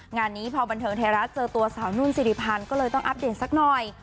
งานนี้พอบันเทิงไทยรัฐเจอตัวสาวนุ่นสิริพันธ์ก็เลยต้องอัปเดตสักหน่อย